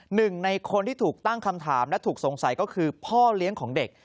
หนึ่งในคนที่ถูกตั้งคำถามและถูกสงสัยก็คือพ่อเลี้ยงของเด็ก